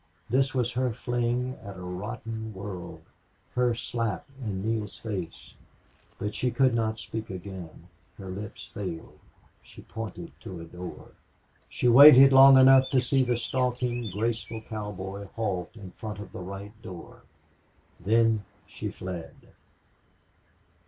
This was her fling at a rotten world, her slap in Neale's face. But she could not speak again; her lips failed. She pointed to a door. She waited long enough to see the stalking, graceful cowboy halt in front of the right door. Then she fled.